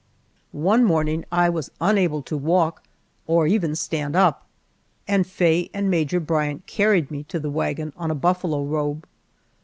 One morning I was unable to walk or even stand up, and Faye and Major Bryant carried me to the wagon on a buffalo robe.